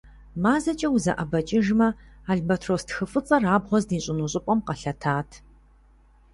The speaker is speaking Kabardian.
МазэкӀэ узэӀэбэкӀыжымэ, албатрос тхыфӀыцӀэр абгъуэ здищӀыну щӀыпӀэм къэлъэтат.